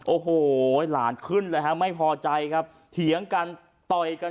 โอ้โหหลานขึ้นเลยฮะไม่พอใจครับเถียงกันต่อยกัน